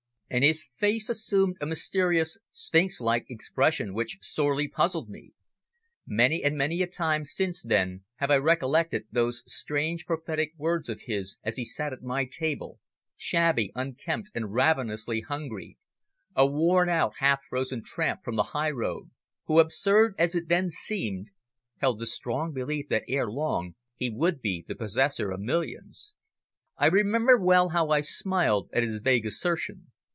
And his face assumed a mysterious, sphinx like expression which sorely puzzled me. Many and many a time since then have I recollected those strange, prophetic words of his as he sat at my table, shabby, unkempt and ravenously hungry, a worn out, half frozen tramp from the highroad, who, absurd as it then seemed, held the strong belief that ere long he would be the possessor of millions. I remember well how I smiled at his vague assertion.